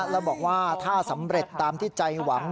แล้วบอกว่าถ้าสำเร็จตามที่ใจหวัง